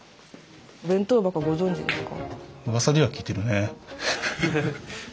お弁当箱ご存じですか？